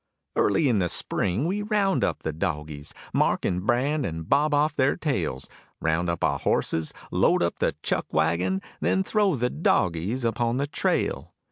Early in the spring we round up the dogies, Mark and brand and bob off their tails; Round up our horses, load up the chuck wagon, Then throw the dogies upon the trail.